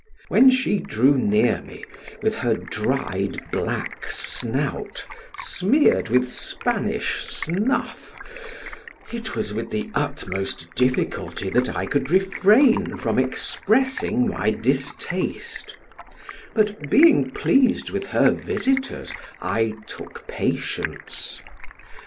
When she drew near me, with her dried black snout, smeared with Spanish snuff, it was with the utmost difficulty that I could refrain from expressing my distaste; but, being pleased with her visitors, I took patience.